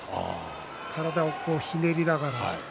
体をひねりながら。